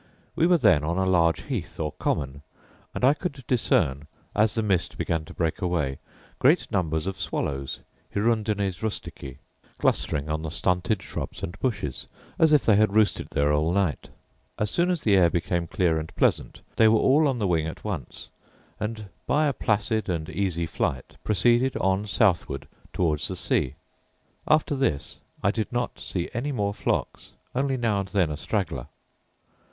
We were then on a large heath or common, and I could discern, as the mist began to break away, great numbers of swallows (hirundines rusticae) clustering on the stinted shrubs and bushes, as if they had roosted there all night. As soon as the air became clear and pleasant they all were on the wing at once; and, by a placid and easy flight, proceeded on southward towards the sea: after this I did not see any more flocks, only now and then a straggler.